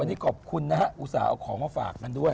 วันนี้ขอบคุณนะฮะอุตส่าห์เอาของมาฝากกันด้วย